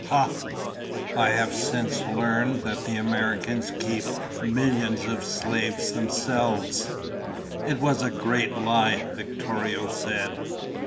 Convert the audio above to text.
Ha! I have since learned that the Americans keep millions of slaves themselves!" "It was a great lie," Victorio said.